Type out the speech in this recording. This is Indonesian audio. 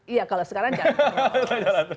iya kalau sekarang jalan terus